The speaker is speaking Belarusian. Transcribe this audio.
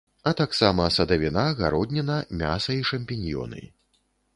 А таксама садавіна, гародніна, мяса і шампіньёны.